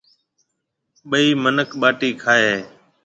ٻَي مِنک ٻاٽِي کائي هيَ۔